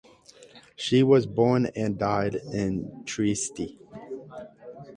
She was born and died in Trieste.